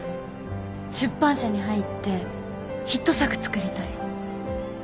出版社に入ってヒット作つくりたい